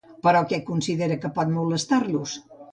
Però què considera que pot molestar-los?